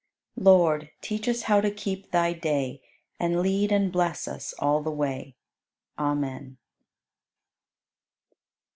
83. Lord, teach us how to keep Thy day And lead and bless us all the way. Amen.